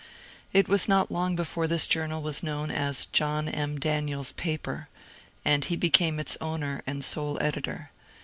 It was not long before this journal was known as ^^ John M. Daniel's paper," and he became its owner and sole editor.